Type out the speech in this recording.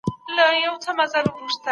هېوادونه څنګه خپلي بهرنۍ تګلاري جوړوي؟